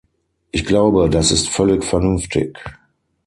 Ich glaube, das ist völlig vernünftig.